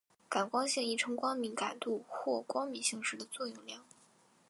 感光性亦称光敏感度或光敏性时的作用量。